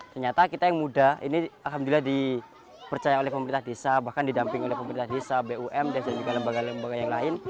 ternyata kita yang muda ini alhamdulillah dipercaya oleh pemerintah desa bahkan didamping oleh pemerintah desa bum dan juga lembaga lembaga yang lain